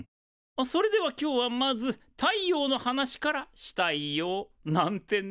それでは今日はまず太陽の話からしタイヨウ。なんてね！